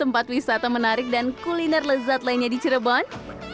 tempat wisata menarik dan kuliner lezat lainnya di cirebon